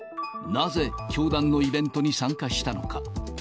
なぜ教団のイベントに参加したのか。